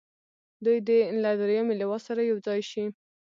دوی دې له دریمې لواء سره یو ځای شي.